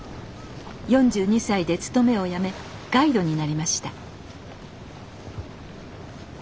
４２歳で勤めを辞めガイドになりました。